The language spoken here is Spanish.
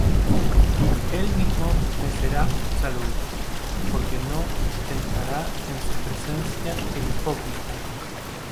Y él mismo me será salud, Porque no entrará en su presencia el hipócrita.